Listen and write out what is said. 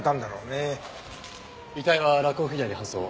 遺体は洛北医大に搬送。